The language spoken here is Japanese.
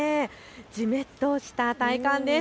じめっとした体感です。